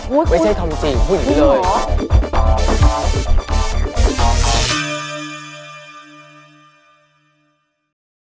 ไม่ใช่ธอมสร้างกระแสพูดอย่างนี้เลย